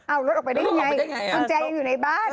เอารถออกไปได้ยังไงกุญแจยังอยู่ในบ้าน